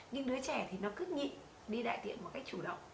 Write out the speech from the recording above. nhưng đứa trẻ thì nó cứ nghị đi đại tiện một cách chủ động